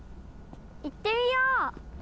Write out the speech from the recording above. いってみよう！